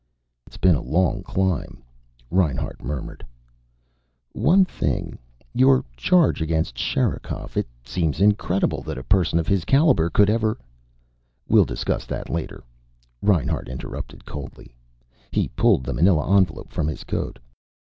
"It's been a long climb," Reinhart murmured. "One thing. Your charge against Sherikov. It seems incredible that a person of his caliber could ever " "We'll discuss that later," Reinhart interrupted coldly. He pulled the manila envelope from his coat.